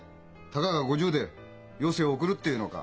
たかが５０で余生を送るっていうのか？